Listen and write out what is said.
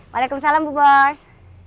waalaikumsalam bu bos